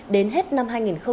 đến hết năm hai nghìn hai mươi hai